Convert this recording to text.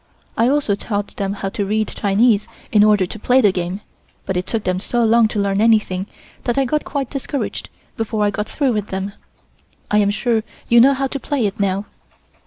I also taught them how to read Chinese in order to play the game, but it took them so long to learn anything that I got quite discouraged before I got through with them. I am sure you know how to play it now."